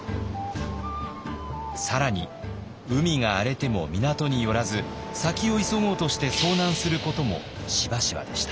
更に海が荒れても港に寄らず先を急ごうとして遭難することもしばしばでした。